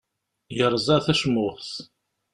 Yerẓa tacmuxt.